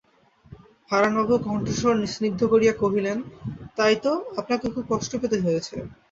হারানবাবু কণ্ঠস্বর স্নিগ্ধ করিয়া কহিলেন, তাই তো, আপনাকে খুব কষ্ট পেতে হয়েছে।